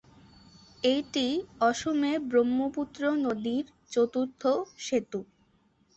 এইটি অসমের ব্রহ্মপুত্র নদীর চতুর্থ সেতু।